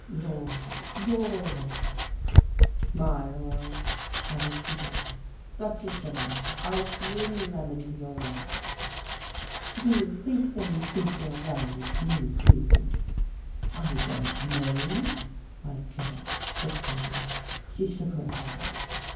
Laurels! Your laurels." "My laurels," I repeated. "Such as they are, I fling them into your lap." "Do you think they increase your value to me, Hugh?" "I don't know," I said thickly. She shook her head.